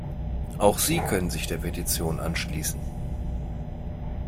Auch Sie können sich der Petition anschließen.